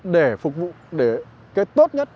để phục vụ để cái tốt nhất